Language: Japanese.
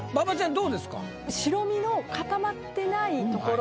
どうですか？